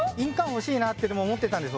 欲しいなってでも思ってたんです